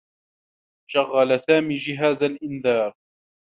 شغّل سامي جهاز الإنذار.